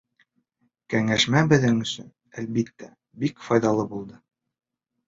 — Кәңәшмә беҙҙең өсөн, әлбиттә, бик файҙалы булды.